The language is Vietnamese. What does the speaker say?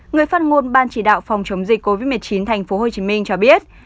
người phát ngôn ban chỉ đạo phòng chống dịch covid một mươi chín tp hcm cho biết